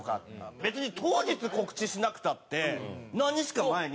別に、当日、告知しなくたって何日か前に。